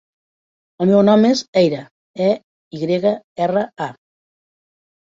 El meu nom és Eyra: e, i grega, erra, a.